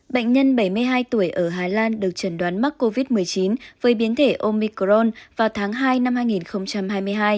bệnh nhân bảy mươi hai tuổi ở hà lan được trần đoán mắc covid một mươi chín với biến thể omicron vào tháng hai năm hai nghìn hai mươi hai